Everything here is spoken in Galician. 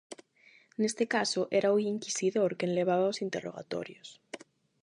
Neste caso era o inquisidor quen levaba os interrogatorios.